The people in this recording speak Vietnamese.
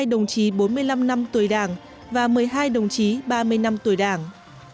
hai mươi đồng chí bốn mươi năm năm tuổi đảng và một mươi hai đồng chí ba mươi năm tuổi đảng